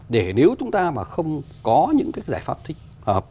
để nếu chúng ta mà không có những giải pháp thích